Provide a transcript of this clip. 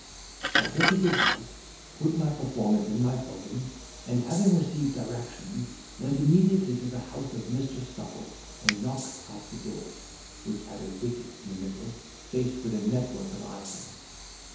I took his advice, put my performance in my bosom, and, having received directions, went immediately to the house of Mr. Supple, and knocked at the door, which had a wicket in the middle, faced with a net work of iron.